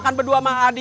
neng aku mau ambil